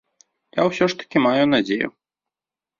Я ўсё ж такі маю надзею.